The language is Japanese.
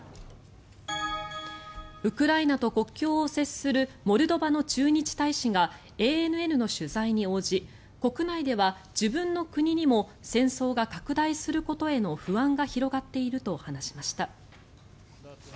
ウクライナと国境を接するモルドバの駐日大使がＡＮＮの取材に応じ国内では自分の国にも戦争が拡大することへの不安が広がっていると話しました。